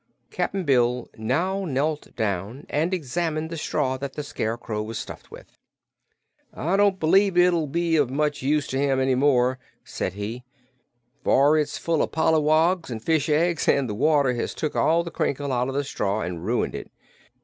Cap'n Bill now knelt down and examined the straw that the Scarecrow was stuffed with. "I don't believe it'll be of much use to him, any more," said he, "for it's full of polliwogs an' fish eggs, an' the water has took all the crinkle out o' the straw an ruined it.